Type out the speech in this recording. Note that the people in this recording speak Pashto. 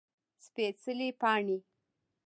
سپيڅلي پاڼې